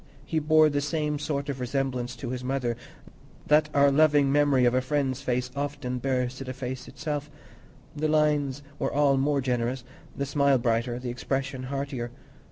He bore the same sort of resemblance to his mother that our loving memory of a friend's face often bears to the face itself: the lines were all more generous, the smile brighter, the expression heartier.